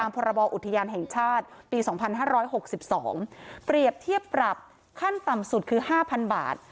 ตามภาระบออุทยานแห่งชาติปีสองพันห้าร้อยหกสิบสองเปรียบเทียบปรับขั้นต่ำสุดคือห้าพันบาท